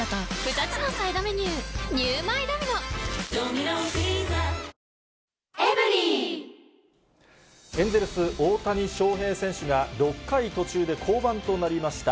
ニトリエンゼルス、大谷翔平選手が、６回途中で降板となりました。